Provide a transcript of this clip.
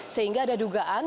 sehingga ada dugaan